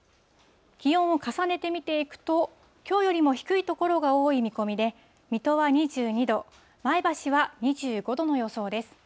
気温を重ねて見ていくと、きょうよりも低い所が多い見込みで、水戸は２２度、前橋は２５度の予想です。